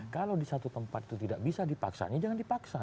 kalau di satu tempat itu tidak bisa dipaksanya jangan dipaksa